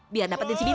biar dapetin si binta